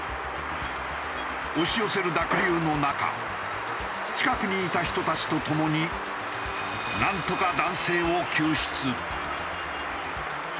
押し寄せる濁流の中近くにいた人たちとともになんとか男性を救出。